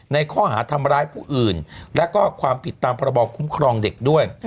ในข้อหาทำร้ายผู้อื่นและก็ความผิดตามประบอบคุ้มครองเด็กด้วย